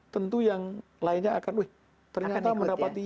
tentu yang lainnya akan wih ternyata mendapatkan